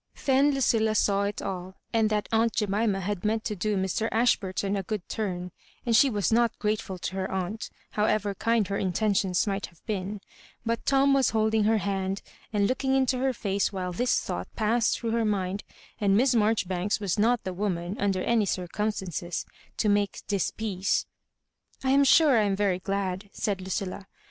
Then Lucilla saw it all, and that aunt Jemima had meant to do Mr. Ashburton a good tum« And she was not grateful to her aunt, however kind her intentions might have been. Bat Toiu Digitized by VjOOQIC MISS MABJOHIBANES. 173 was holding her hand, and looking into her faoe while this thoi^ht passed through her mind, and Miss Marjoribe^B was not the woman, under any circumstances, to make dispeaoe. '^^ I am sure I am yery glad," said Lucilla.